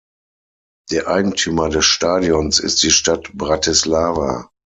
Der Eigentümer des Stadions ist die Stadt Bratislava.